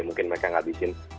mungkin mereka gak habisin